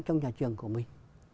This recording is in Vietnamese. trong nhà trường của mình